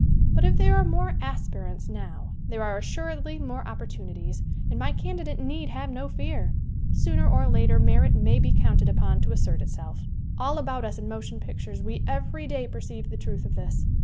But if there are more aspirants now there are assuredly more opportunities and my can didate need have no fear. Sooner or later merit may be counted upon to assert itself. All 104 _ SCREEN ACTING about us in motion pictures we every day per ceive the truth of this.